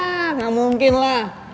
ah gak mungkin lah